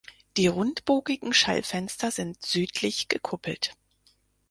Die rundbogigen Schallfenster sind südlich gekuppelt.